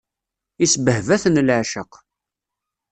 Isbehba-ten leεceq.